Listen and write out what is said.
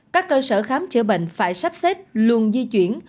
các cơ sở khám chữa bệnh phải sắp xếp luôn di chuyển